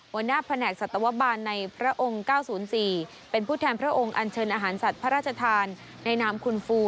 หัวหน้าแผนกสัตวบาลในพระองค์๙๐๔เป็นผู้แทนพระองค์อันเชิญอาหารสัตว์พระราชทานในนามคุณฟู